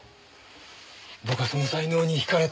僕はその才能にひかれた。